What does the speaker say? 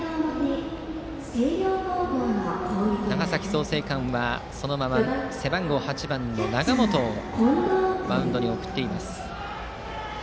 長崎・創成館はそのまま背番号８番の永本をマウンドに送っています。